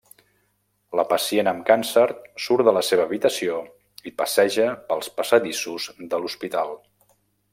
La pacient amb càncer surt de la seva habitació i passeja pels passadissos de l'hospital.